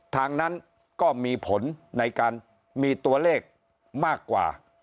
ทางนั้นก็มีผลในการมีตัวเลขมากกว่า